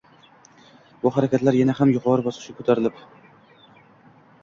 Bu harakatlar yana ham yuqori bosqichga ko‘tarilib: